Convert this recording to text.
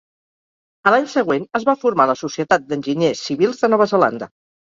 A l'any següent es va formar la Societat d'Enginyers Civils de Nova Zelanda.